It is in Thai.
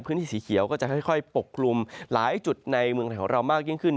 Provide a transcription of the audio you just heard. สีเขียวก็จะค่อยปกกลุ่มหลายจุดในเมืองไทยของเรามากยิ่งขึ้น